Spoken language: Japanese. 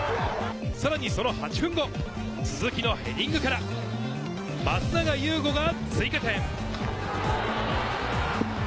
さらにその８分後、鈴木のヘディングから松永悠碁が追加点。